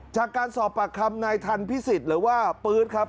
จากการสอบปากคำนายทันพิสิทธิ์หรือว่าปื๊ดครับ